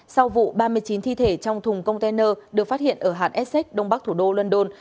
sau vụ ba mươi chín thi thể trong thùng container được phát hiện ở hạt essex đông bắc thủ đô london